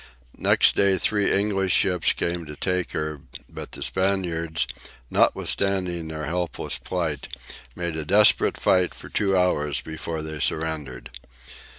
Next day three English ships came to take her, but the Spaniards, notwithstanding their helpless plight, made a desperate fight for two hours before they surrendered.